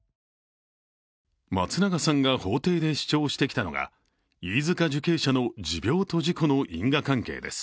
松永さんが法廷で主張してきたのが飯塚受刑者の持病と事故の因果関係です。